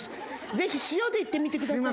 ぜひ塩でいってみてください。